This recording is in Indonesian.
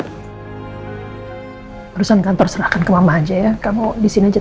hai perusahaan kantor serahkan ke mama aja ya kamu disini temanin aku